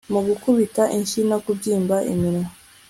mugukubita inshyi no kubyimba iminwa